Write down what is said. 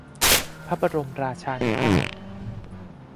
พระบรมราชานุภาพ